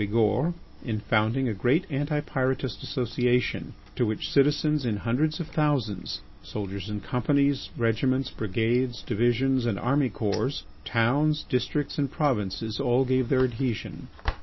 Bigourd in founding a great anti Pyrotist association to which citizens in hundreds of thousands, soldiers in companies, regiments, brigades, divisions, and army corps, towns, districts, and provinces, all gave their adhesion.